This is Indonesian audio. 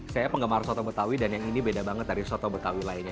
saya penggemar soto betawi dan yang ini beda banget dari soto betawi lainnya